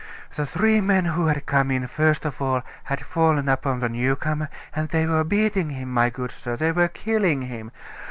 The three men who had come in first of all had fallen upon the newcomer, and they were beating him, my good sir, they were killing him.